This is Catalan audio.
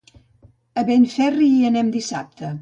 A Benferri hi anem dissabte.